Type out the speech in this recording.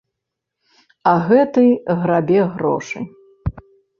А гэты грабе грошы.